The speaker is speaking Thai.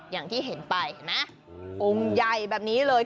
อย่างที่เห็นไปเห็นไหมองค์ใหญ่แบบนี้เลย